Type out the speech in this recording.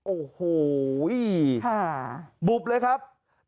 โอ้โหบุบเลยครับ